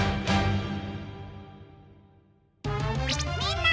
みんな！